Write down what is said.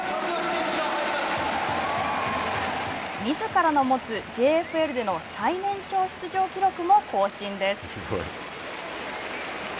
みずからの持つＪＦＬでの最年長出場記録も更新です。